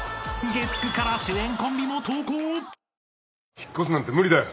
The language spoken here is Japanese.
引っ越すなんて無理だよ。